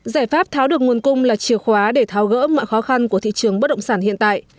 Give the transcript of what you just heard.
giải pháp tháo được nguồn cung là chìa khóa để tháo gỡ mọi khó khăn của thị trường bất động sản hiện tại